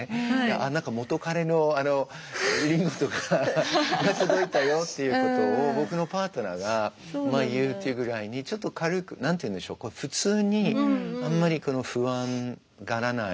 何か元彼のリンゴとかが届いたよっていうことを僕のパートナーが言うっていうぐらいにちょっと軽く何て言うんでしょう普通にあんまり不安がらない。